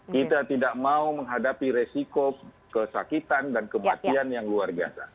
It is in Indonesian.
kita tidak mau menghadapi resiko kesakitan dan kebanasan